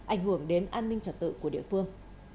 ảnh hưởng đến an ninh trật tự của địa phương